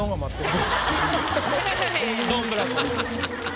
ドンブラコです。